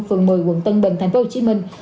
phường một mươi quận tân bình tp hcm